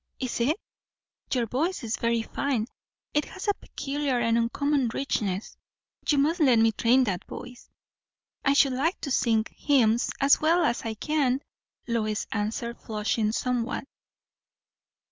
"Is it?" "Your voice is very fine; it has a peculiar and uncommon richness. You must let me train that voice." "I should like to sing hymns as well as I can," Lois answered, flushing somewhat.